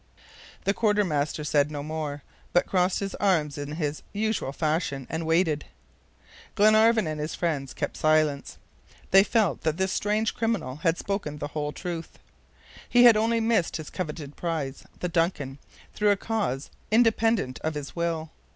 The quartermaster said no more, but crossed his arms in his usual fashion and waited. Glenarvan and his friends kept silence. They felt that this strange criminal had spoken the whole truth. He had only missed his coveted prize, the DUNCAN, through a cause independent of his will.